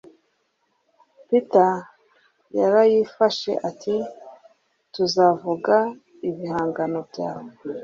Peter yarayifashe ati: "Tuzavuga ibihangano byawe."